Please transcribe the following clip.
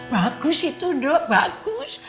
bagus itu dok bagus